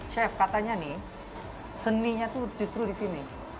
chef katanya nih seninya itu justru di sini